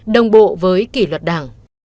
đồng bộ với kỷ luật đảng